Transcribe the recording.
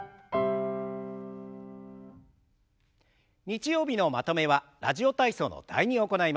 日曜日のまとめは「ラジオ体操」の「第２」を行います。